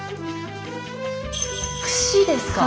くしですか！